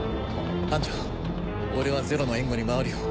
班長俺はゼロの援護に回るよ